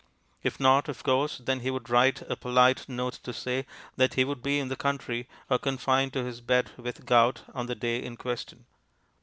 If not, of course, then he would write a polite note to say that he would be in the country, or confined to his bed with gout, on the day in question.